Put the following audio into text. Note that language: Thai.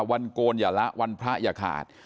โกนอย่าละวันพระอย่าขาด